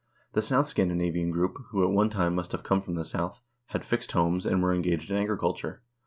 The south Scandinavian group, who at one time must have come from the south, had fixed homes, and were engaged in agriculture.